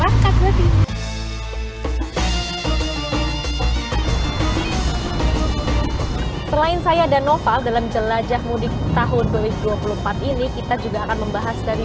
selain saya dan novel dalam jelajah mudik tahun dua ribu dua puluh empat ini kita juga akan membahas dari